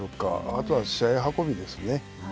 あとは試合運びですね。